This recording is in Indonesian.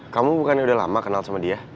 kamu bukannya udah lama kenal sama dia